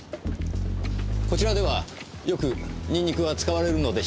こちらではよくニンニクは使われるのでしょうか？